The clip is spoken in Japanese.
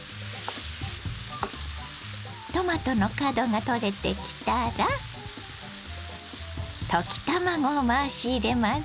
トマトの角が取れてきたら溶き卵を回し入れます。